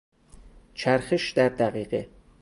چرخش در دقیقه